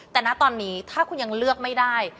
แต่ณตอนนี้ถ้าคุณยังเลือกไม่ได้